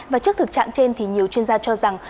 và trước thực trạng trên thì nhiều chuyên gia cho rằng